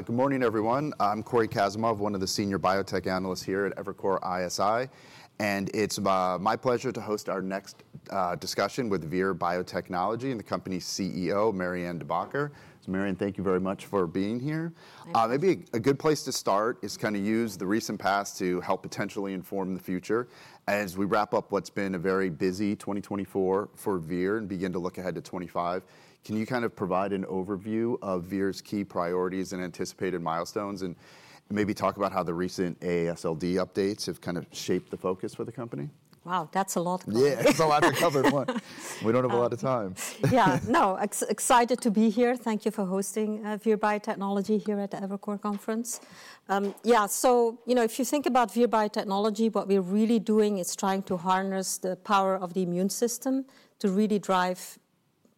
Good morning, everyone. I'm Cory Kasimov, one of the senior biotech analysts here at Evercore ISI, and it's my pleasure to host our next discussion with Vir Biotechnology and the company's CEO, Marianne De Backer. So, Marianne, thank you very much for being here. Thank you. Maybe a good place to start is kind of use the recent past to help potentially inform the future. As we wrap up what's been a very busy 2024 for Vir and begin to look ahead to 2025, can you kind of provide an overview of Vir's key priorities and anticipated milestones, and maybe talk about how the recent AASLD updates have kind of shaped the focus for the company? Wow, that's a lot of time. Yeah, it's a lot to cover in one. We don't have a lot of time. Yeah, no, excited to be here. Thank you for hosting Vir Biotechnology here at the Evercore ISI Conference. Yeah, so, you know, if you think about Vir Biotechnology, what we're really doing is trying to harness the power of the immune system to really drive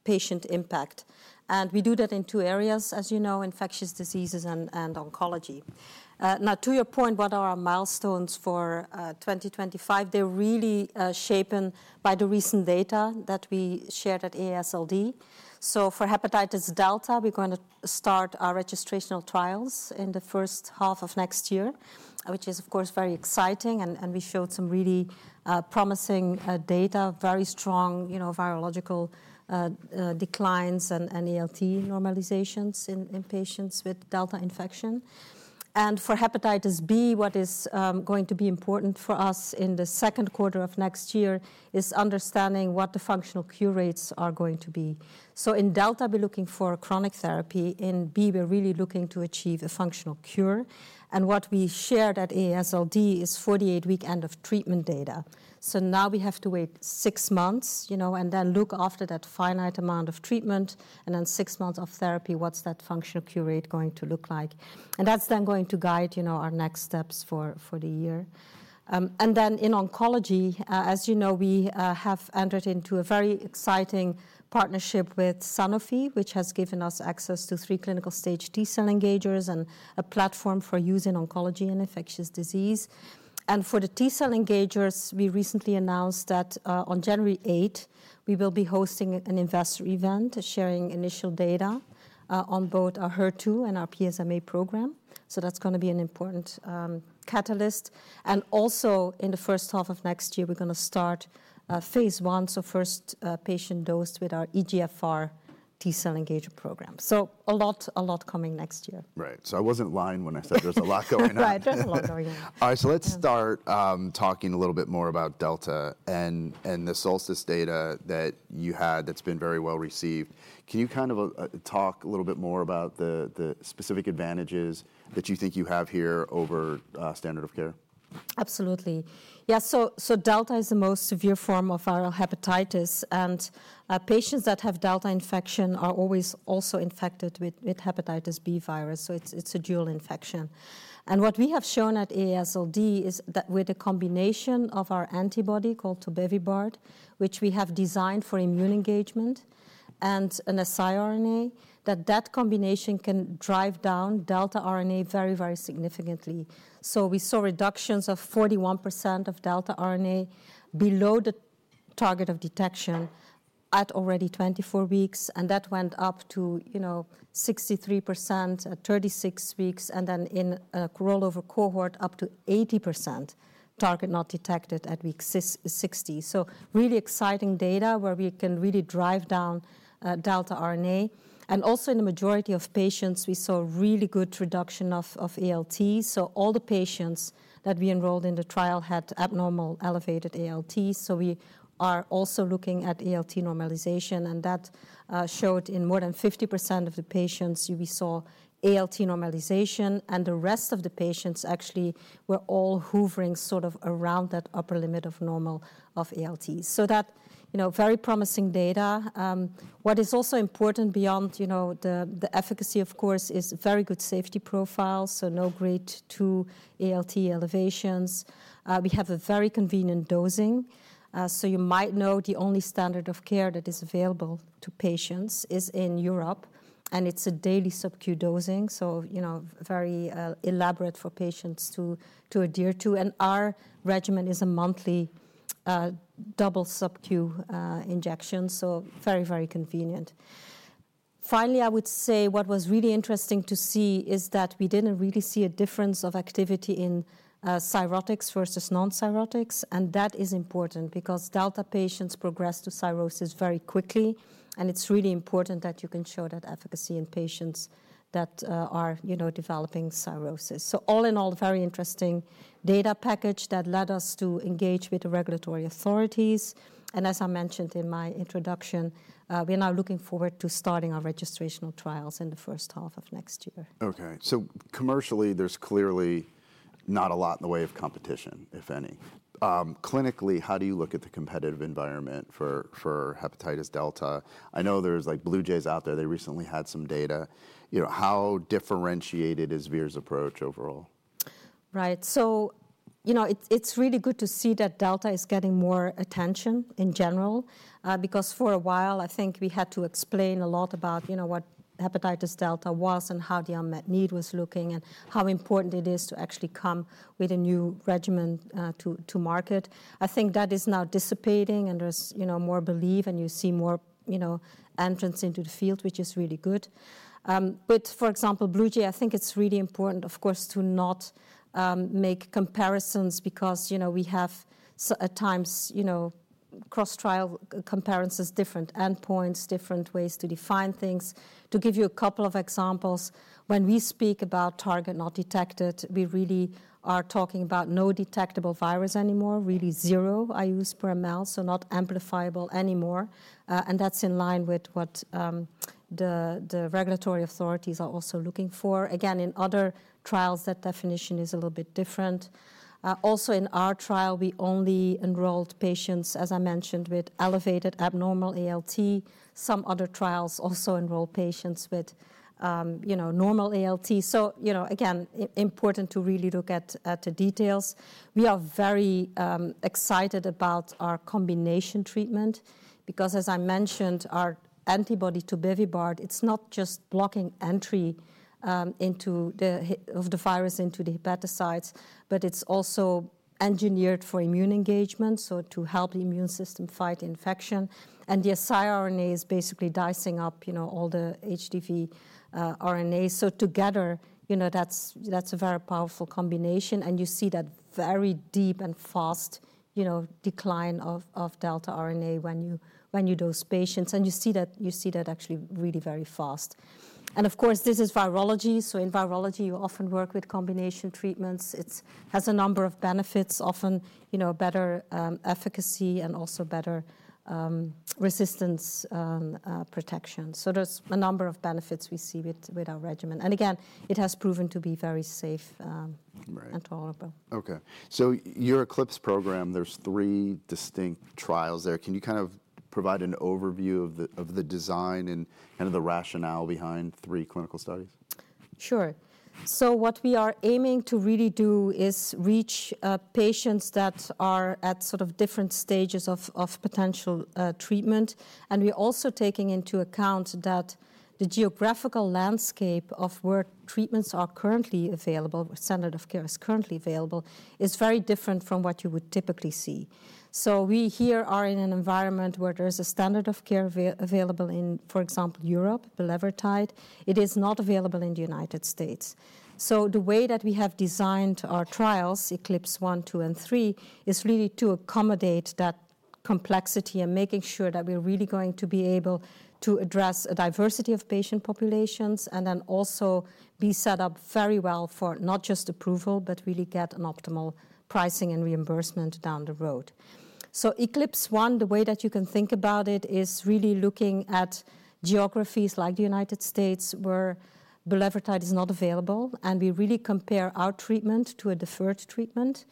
patient impact. We do that in two areas, as you know, infectious diseases and oncology. Now, to your point, what are our milestones for 2025? They're really shaped by the recent data that we shared at AASLD. So, for hepatitis Delta, we're going to start our registrational trials in the first half of next year, which is, of course, very exciting, and we showed some really promising data, very strong, you know, virological declines and ALT normalizations in patients with Delta infection. For hepatitis B, what is going to be important for us in the second quarter of next year is understanding what the functional cure rates are going to be. So in Delta, we're looking for chronic therapy. In B, we're really looking to achieve a functional cure. What we shared at AASLD is 48-week end-of-treatment data. Now we have to wait six months, you know, and then look after that finite amount of treatment, and then six months of therapy. What's that functional cure rate going to look like? That's then going to guide, you know, our next steps for the year. In oncology, as you know, we have entered into a very exciting partnership with Sanofi, which has given us access to three clinical-stage T-cell engagers and a platform for use in oncology and infectious disease. And for the T-cell engagers, we recently announced that on January 8th, we will be hosting an investor event, sharing initial data on both our HER2 and our PSMA program. So, that's going to be an important catalyst. And also, in the first half of next year, we're going to start phase I, so first patient dosed with our EGFR T-cell engager program. So, a lot, a lot coming next year. Right. So, I wasn't lying when I said there's a lot going on. Right, there's a lot going on. All right, so let's start talking a little bit more about Delta and the SOLSTICE data that you had that's been very well received. Can you kind of talk a little bit more about the specific advantages that you think you have here over standard of care? Absolutely. Yeah, so, Delta is the most severe form of viral hepatitis, and patients that have Delta infection are always also infected with hepatitis B virus, so it's a dual infection. And what we have shown at AASLD is that with a combination of our antibody called tobevibart, which we have designed for immune engagement, and an siRNA, that that combination can drive down Delta RNA very, very significantly. So, we saw reductions of 41% of Delta RNA below the target of detection at already 24 weeks, and that went up to, you know, 63% at 36 weeks, and then in a rollover cohort, up to 80% target not detected at week 60. So, really exciting data where we can really drive down Delta RNA. And also, in the majority of patients, we saw really good reduction of ALTs. All the patients that we enrolled in the trial had abnormal elevated ALTs. We are also looking at ALT normalization, and that showed in more than 50% of the patients, we saw ALT normalization, and the rest of the patients actually were all hovering sort of around that upper limit of normal of ALTs. That, you know, very promising data. What is also important beyond, you know, the efficacy, of course, is very good safety profiles, so no grade 2 ALT elevations. We have a very convenient dosing. You might know the only standard of care that is available to patients is in Europe, and it's a daily subcutaneous dosing. You know, very elaborate for patients to adhere to. Our regimen is a monthly double subcutaneous injection, so very, very convenient. Finally, I would say what was really interesting to see is that we didn't really see a difference of activity in cirrhotics versus non-cirrhotics, and that is important because Delta patients progress to cirrhosis very quickly, and it's really important that you can show that efficacy in patients that are, you know, developing cirrhosis, so all in all, very interesting data package that led us to engage with the regulatory authorities, and as I mentioned in my introduction, we're now looking forward to starting our registrational trials in the first half of next year. Okay, so commercially, there's clearly not a lot in the way of competition, if any. Clinically, how do you look at the competitive environment for hepatitis Delta? I know there's like BlueJay's out there, they recently had some data. You know, how differentiated is Vir's approach overall? Right, so, you know, it's really good to see that Delta is getting more attention in general because for a while, I think we had to explain a lot about, you know, what hepatitis Delta was and how the unmet need was looking and how important it is to actually come with a new regimen to market. I think that is now dissipating, and there's, you know, more belief, and you see more, you know, entrance into the field, which is really good. But, for example, BlueJay, I think it's really important, of course, to not make comparisons because, you know, we have at times, you know, cross-trial comparisons, different endpoints, different ways to define things. To give you a couple of examples, when we speak about target not detected, we really are talking about no detectable virus anymore, really zero IUs per mL, so not amplifiable anymore. That's in line with what the regulatory authorities are also looking for. Again, in other trials, that definition is a little bit different. Also, in our trial, we only enrolled patients, as I mentioned, with elevated abnormal ALT. Some other trials also enrolled patients with, you know, normal ALT. You know, again, important to really look at the details. We are very excited about our combination treatment because, as I mentioned, our antibody tobevibart, it's not just blocking entry of the virus into the hepatocytes, but it's also engineered for immune engagement, so to help the immune system fight infection. The siRNA is basically dicing up, you know, all the HDV RNA. Together, you know, that's a very powerful combination, and you see that very deep and fast, you know, decline of Delta RNA when you dose patients, and you see that actually really very fast. Of course, this is virology, so in virology, you often work with combination treatments. It has a number of benefits, often, you know, better efficacy and also better resistance protection. There's a number of benefits we see with our regimen. Again, it has proven to be very safe and tolerable. Okay, so your ECLIPSE program, there's three distinct trials there. Can you kind of provide an overview of the design and kind of the rationale behind three clinical studies? Sure. So, what we are aiming to really do is reach patients that are at sort of different stages of potential treatment, and we're also taking into account that the geographical landscape of where treatments are currently available, standard of care is currently available, is very different from what you would typically see. So, we here are in an environment where there's a standard of care available in, for example, Europe, bulevirtide. It is not available in the United States. So, the way that we have designed our trials, ECLIPSE 1, 2, and 3, is really to accommodate that complexity and making sure that we're really going to be able to address a diversity of patient populations and then also be set up very well for not just approval, but really get an optimal pricing and reimbursement down the road. So, ECLIPSE 1, the way that you can think about it is really looking at geographies like the United States where bulevirtide is not available, and we really compare our treatment to a deferred treatment,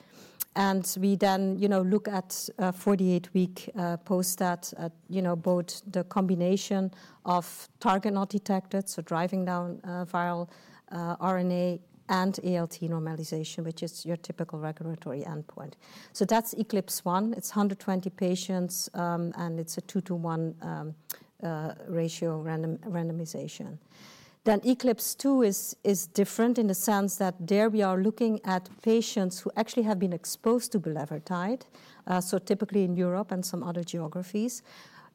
and we then, you know, look at 48-week post-start, you know, both the combination of target not detected, so driving down viral RNA and ALT normalization, which is your typical regulatory endpoint, so that's ECLIPSE 1. It's 120 patients, and it's a two-to-one ratio randomization, then ECLIPSE 2 is different in the sense that there we are looking at patients who actually have been exposed to bulevirtide, so typically in Europe and some other geographies,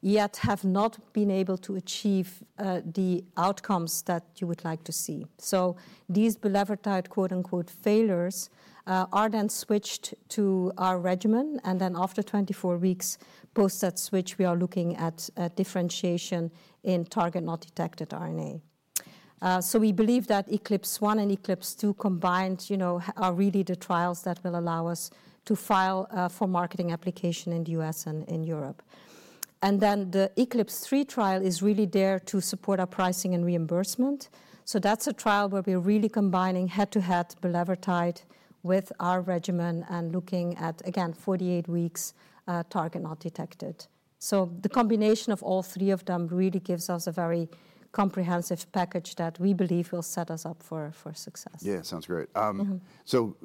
yet have not been able to achieve the outcomes that you would like to see. So, these bulevirtide, quote unquote, failures are then switched to our regimen, and then after 24 weeks post-status switch, we are looking at differentiation in target not detected RNA. So, we believe that ECLIPSE 1 and ECLIPSE 2 combined, you know, are really the trials that will allow us to file for marketing application in the U.S. and in Europe. And then the ECLIPSE 3 trial is really there to support our pricing and reimbursement. So, that's a trial where we're really combining head-to-head bulevirtide with our regimen and looking at, again, 48 weeks target not detected. So, the combination of all three of them really gives us a very comprehensive package that we believe will set us up for success. Yeah, sounds great. So,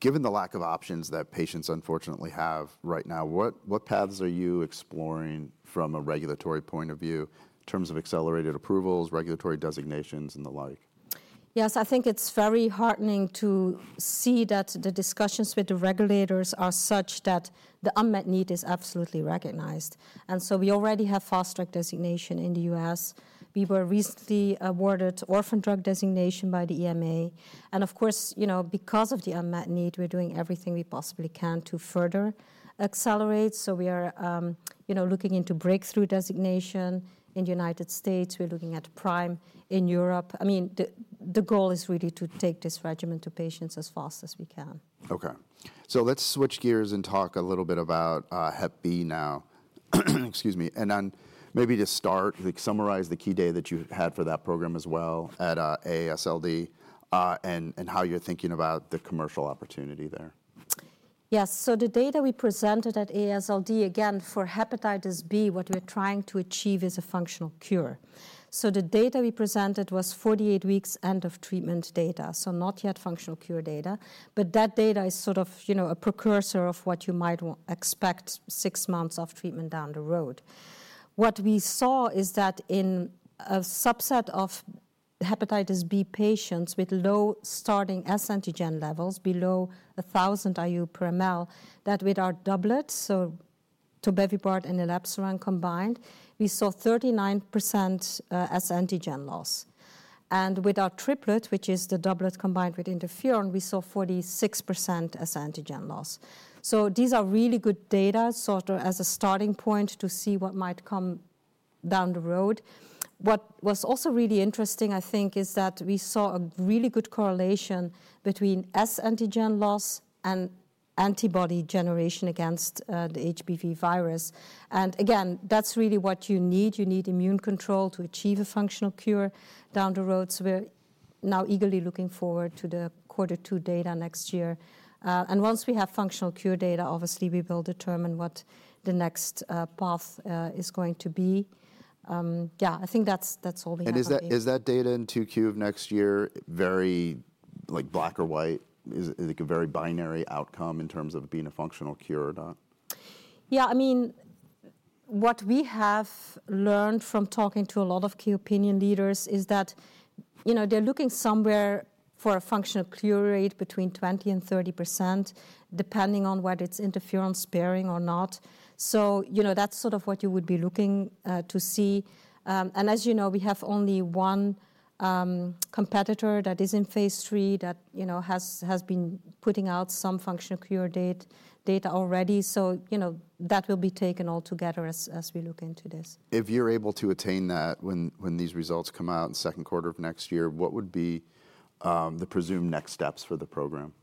given the lack of options that patients unfortunately have right now, what paths are you exploring from a regulatory point of view in terms of accelerated approvals, regulatory designations, and the like? Yes, I think it's very heartening to see that the discussions with the regulators are such that the unmet need is absolutely recognized, and so we already have Fast Track designation in the U.S. We were recently awarded Orphan Drug Designation by the EMA, and of course, you know, because of the unmet need, we're doing everything we possibly can to further accelerate, so we are, you know, looking into Breakthrough designation in the United States. We're looking at PRIME in Europe. I mean, the goal is really to take this regimen to patients as fast as we can. Okay, so let's switch gears and talk a little bit about Hep B now. Excuse me, and then maybe to start, summarize the key data that you had for that program as well at AASLD and how you're thinking about the commercial opportunity there? Yes, so the data we presented at AASLD, again, for hepatitis B, what we're trying to achieve is a functional cure. So, the data we presented was 48 weeks end-of-treatment data, so not yet functional cure data, but that data is sort of, you know, a precursor of what you might expect six months of treatment down the road. What we saw is that in a subset of hepatitis B patients with low starting S-antigen levels, below 1,000 IU per mL, that with our doublet, so tobevibart and elebsiran combined, we saw 39% S-antigen loss. And with our triplet, which is the doublet combined with interferon, we saw 46% S-antigen loss. So, these are really good data, sort of as a starting point to see what might come down the road. What was also really interesting, I think, is that we saw a really good correlation between S-antigen loss and antibody generation against the HBV virus. And again, that's really what you need. You need immune control to achieve a functional cure down the road. So, we're now eagerly looking forward to the quarter two data next year. And once we have functional cure data, obviously, we will determine what the next path is going to be. Yeah, I think that's all we have. Is that data in 2Q next year very, like, black or white? Is it a very binary outcome in terms of being a functional cure or not? Yeah, I mean, what we have learned from talking to a lot of key opinion leaders is that, you know, they're looking somewhere for a functional cure rate between 20%-30%, depending on whether it's interferon sparing or not. So, you know, that's sort of what you would be looking to see. And as you know, we have only one competitor that is in phase III that, you know, has been putting out some functional cure data already. So, you know, that will be taken all together as we look into this. If you're able to attain that when these results come out in the second quarter of next year, what would be the presumed next steps for the program?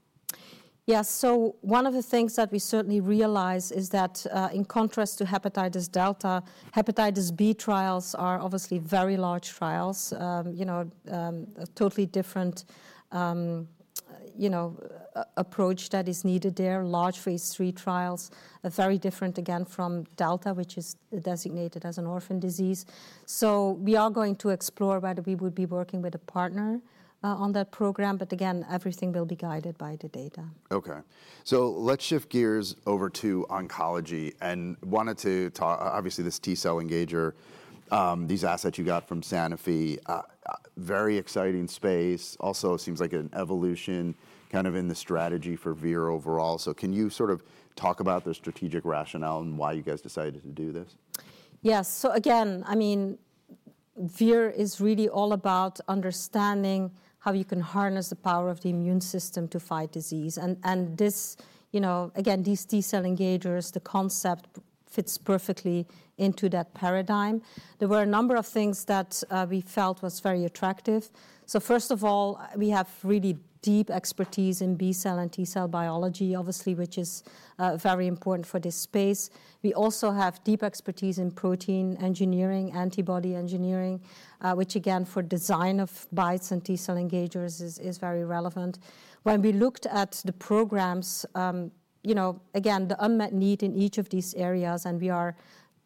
Yeah, so one of the things that we certainly realize is that in contrast to hepatitis Delta, hepatitis B trials are obviously very large trials, you know, a totally different, you know, approach that is needed there, large phase III trials, very different again from Delta, which is designated as an orphan disease. So, we are going to explore whether we would be working with a partner on that program, but again, everything will be guided by the data. Okay, so let's shift gears over to oncology and wanted to talk, obviously this T-cell engager, these assets you got from Sanofi, very exciting space, also seems like an evolution kind of in the strategy for Vir overall. So, can you sort of talk about the strategic rationale and why you guys decided to do this? Yes, so again, I mean, Vir is really all about understanding how you can harness the power of the immune system to fight disease, and this, you know, again, these T-cell engagers, the concept fits perfectly into that paradigm. There were a number of things that we felt was very attractive, so first of all, we have really deep expertise in B-cell and T-cell biology, obviously, which is very important for this space. We also have deep expertise in protein engineering, antibody engineering, which again, for design of BiTEs and T-cell engagers is very relevant. When we looked at the programs, you know, again, the unmet need in each of these areas, and we are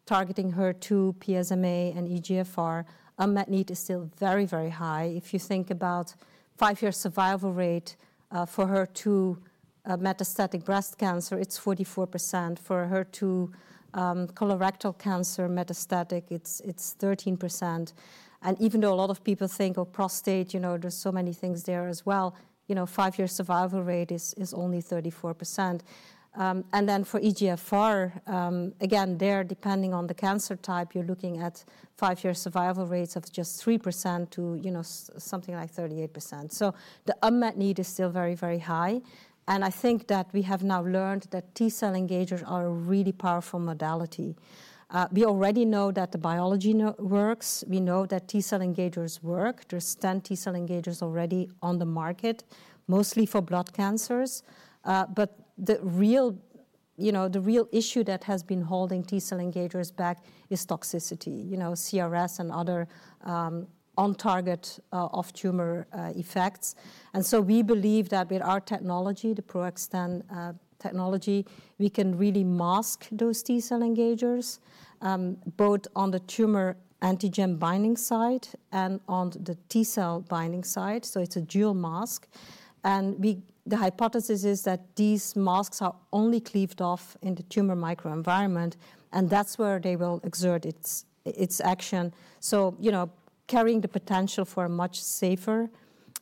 targeting HER2, PSMA, and EGFR, unmet need is still very, very high. If you think about five-year survival rate for HER2 metastatic breast cancer, it's 44%. For HER2 colorectal cancer metastatic, it's 13%. Even though a lot of people think, oh, prostate, you know, there's so many things there as well, you know, five-year survival rate is only 34%. Then for EGFR, again, there, depending on the cancer type, you're looking at five-year survival rates of just 3%-38%. So, the unmet need is still very, very high. And I think that we have now learned that T-cell engagers are a really powerful modality. We already know that the biology works. We know that T-cell engagers work. There's 10 T-cell engagers already on the market, mostly for blood cancers. But the real, you know, the real issue that has been holding T-cell engagers back is toxicity, you know, CRS and other on-target off-tumor effects. And so, we believe that with our technology, the Pro-XTEN technology, we can really mask those T-cell engagers, both on the tumor antigen binding side and on the T-cell binding side. So, it is a dual mask. And the hypothesis is that these masks are only cleaved off in the tumor microenvironment, and that is where they will exert its action. So, you know, carrying the potential for a much safer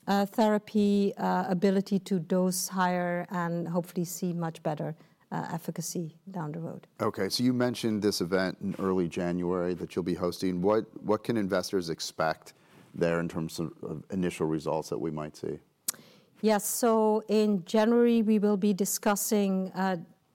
therapy, ability to dose higher, and hopefully see much better efficacy down the road. Okay, so you mentioned this event in early January that you'll be hosting. What can investors expect there in terms of initial results that we might see? Yes, so in January, we will be discussing,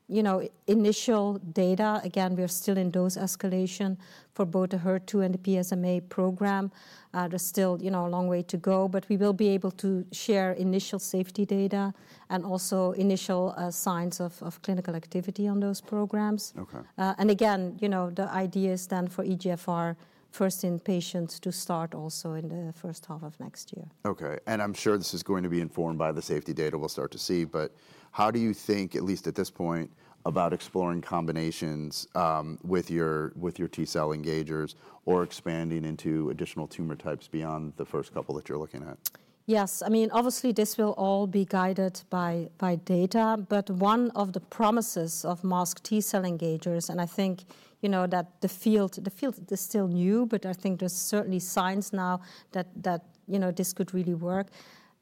you know, initial data. Again, we're still in dose escalation for both the HER2 and the PSMA program. There's still, you know, a long way to go, but we will be able to share initial safety data and also initial signs of clinical activity on those programs, and again, you know, the idea is then for EGFR first in patients to start also in the first half of next year. Okay, and I'm sure this is going to be informed by the safety data we'll start to see, but how do you think, at least at this point, about exploring combinations with your T-cell engagers or expanding into additional tumor types beyond the first couple that you're looking at? Yes, I mean, obviously this will all be guided by data, but one of the promises of masked T-cell engagers, and I think, you know, that the field is still new, but I think there's certainly signs now that, you know, this could really work.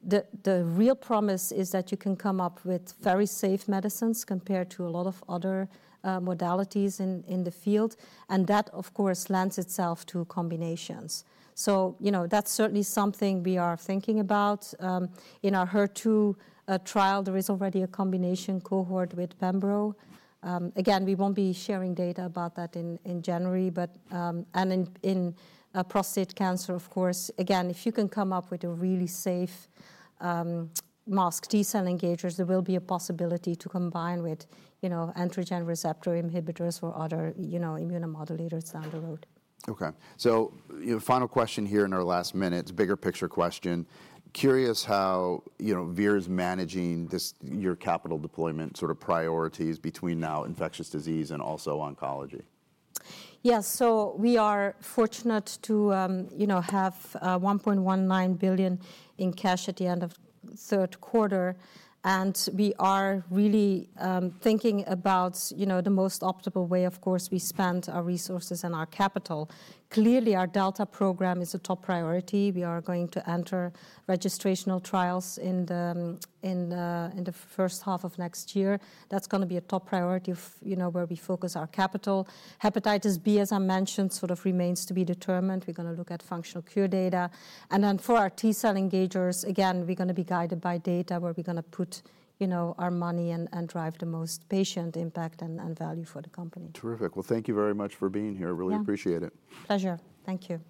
The real promise is that you can come up with very safe medicines compared to a lot of other modalities in the field, and that, of course, lends itself to combinations. So, you know, that's certainly something we are thinking about. In our HER2 trial, there is already a combination cohort with Pembro. Again, we won't be sharing data about that in January, but in prostate cancer, of course, again, if you can come up with a really safe masked T-cell engagers, there will be a possibility to combine with, you know, androgen receptor inhibitors or other, you know, immunomodulators down the road. Okay, so final question here in our last minute, it's a bigger picture question. Curious how, you know, Vir is managing this, your capital deployment sort of priorities between now infectious disease and also oncology. Yes, so we are fortunate to, you know, have $1.19 billion in cash at the end of third quarter, and we are really thinking about, you know, the most optimal way, of course, we spend our resources and our capital. Clearly, our Delta program is a top priority. We are going to enter registrational trials in the first half of next year. That's going to be a top priority of, you know, where we focus our capital. Hepatitis B, as I mentioned, sort of remains to be determined. We're going to look at functional cure data, and then for our T-cell engagers, again, we're going to be guided by data where we're going to put, you know, our money and drive the most patient impact and value for the company. Terrific. Well, thank you very much for being here. Really appreciate it. Pleasure. Thank you.